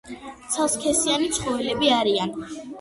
ცალსქესიანი ცხოველები არიან.